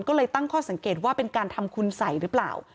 ก็เลยตั้งข้อสังเกตว่าเป็นการทำคุณสัยหรือเปล่า